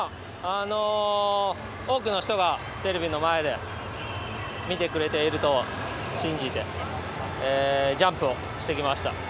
多くの人がテレビの前で見てくれていると信じてジャンプをしてきました。